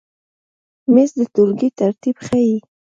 مېز د ټولګۍ ترتیب ښیي.